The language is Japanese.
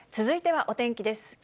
続いてはお天気です。